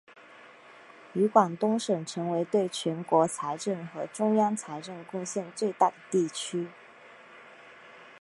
与广东省成为对全国财政和中央财政贡献最大的地区。